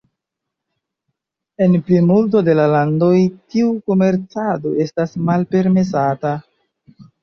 En plimulto de la landoj tiu komercado estas malpermesata.